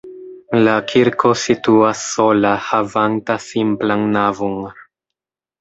La kirko situas sola havanta simplan navon.